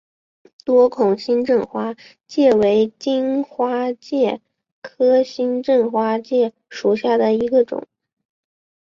多孔新正花介为荆花介科新正花介属下的一个种。